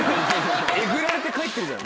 えぐられて帰ってるじゃん。